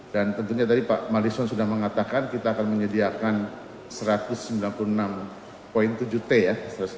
dan tentunya tadi pak malison sudah mengatakan kita akan menyediakan satu ratus sembilan puluh enam tujuh juta ya satu ratus lima puluh delapan